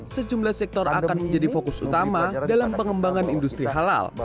sejumlah sektor akan menjadi fokus utama dalam pengembangan industri halal